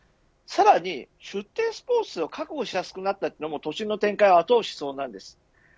さらに出店スペースを確保しやすくなったのも都心の展開を後押ししそうです。